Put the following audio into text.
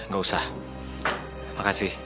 gak usah makasih